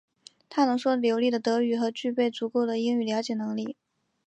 他能说流利的德语和具备足够的英语了解能力。